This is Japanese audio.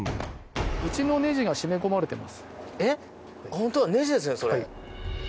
うちのねじが締め込まれています。